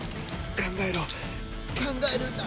考えろ考えるんだ！